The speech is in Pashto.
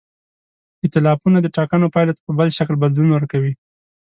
ایتلافونه د ټاکنو پایلو ته په بل شکل بدلون ورکوي.